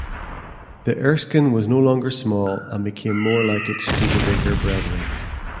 The Erskine was no longer small, and became more like its Studebaker brethren.